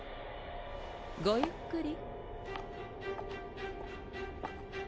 ごゆっくり。